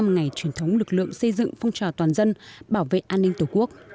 ngày truyền thống lực lượng xây dựng phong trào toàn dân bảo vệ an ninh tổ quốc